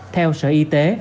theo sở y tế